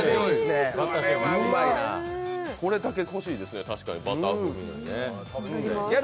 これだけ欲しいですね、確かにバター風味ね。